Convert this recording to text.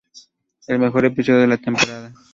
El mejor episodio de la temporada.